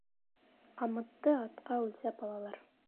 Ҡамытты атҡа үлсәп алалар.